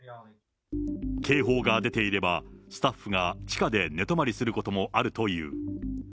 警報が出ていれば、スタッフが地下で寝泊まりすることもあるという。